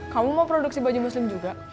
kamu mau produksi baju muslim juga